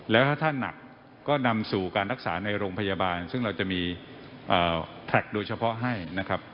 แล้วถ้าท่านหนักก็นำสู่การรักษาในโรงพยาบาลซึ่งเราจะมีแท็กโดยเฉพาะให้นะครับ